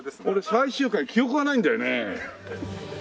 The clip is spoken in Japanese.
俺最終回記憶がないんだよね。